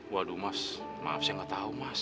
waduh mas maaf saya nggak tahu mas